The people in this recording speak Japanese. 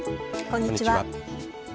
こんにちは。